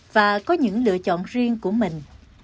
và có những lựa chọn riêng của mình